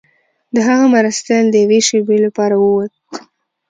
د هغه مرستیال د یوې شیبې لپاره ووت.